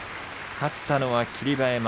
勝ったのは霧馬山。